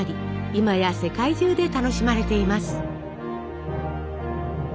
今や世界中で楽しまれています。